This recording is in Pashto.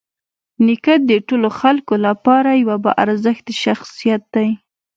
نیکه د ټولو خلکو لپاره یوه باارزښته شخصیت دی.